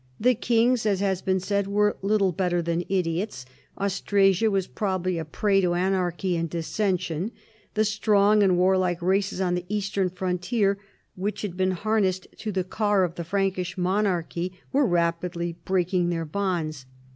The kings, as has been said, were little better than idiots ; Austrasia was probably a prey to anarchy and dis sension ; the strong and warlike races on the eastern frontier which had been harnessed to the car of the Frankish monarchy were rapidly breaking their bonds.